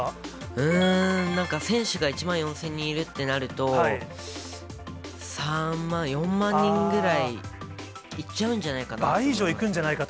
うーん、なんか選手が１万４０００人いるってなると、３万、４万人ぐらいいっちゃうんじゃないかな。